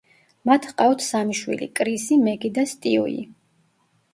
მათ ჰყავთ სამი შვილი: კრისი, მეგი და სტიუი.